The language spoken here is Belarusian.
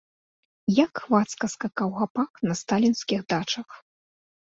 Як хвацка скакаў гапак на сталінскіх дачах!